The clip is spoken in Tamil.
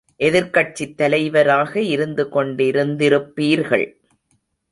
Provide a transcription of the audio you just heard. எதிர்க்கட்சித் தலைவராக இருந்துகொண்டிருந்திருப்பீர்கள்.